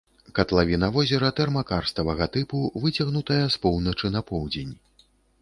Катлавіна возера тэрмакарставага тыпу, выцягнутая з поўначы на поўдзень.